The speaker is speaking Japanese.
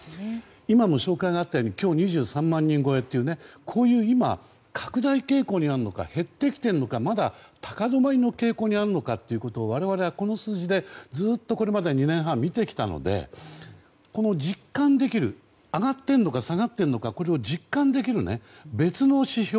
今も紹介があったように今日２３万人超えというこういう今、拡大傾向にあるのか減ってきているのかまだ高止まりの傾向にあるのかということを我々はこの数字でずっとこれまで２年半見てきたので、上がっているのか下がっているのかこれを実感できる別の指標